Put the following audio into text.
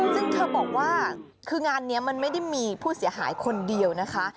ซึ่งเธอบอกว่าคืองานนี้มันไม่ได้มีผู้เสียหายคนเดียวนะคะ